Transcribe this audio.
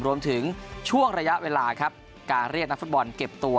รวมถึงช่วงระยะเวลาครับการเรียกนักฟุตบอลเก็บตัว